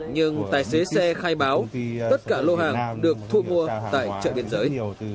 nhưng tài xế xe khai báo tất cả lô hàng được thu mua tại chợ biên giới